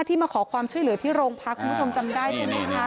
ที่มาขอความช่วยเหลือที่โรงพักคุณผู้ชมจำได้ใช่ไหมคะ